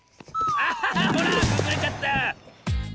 あほらくずれちゃった！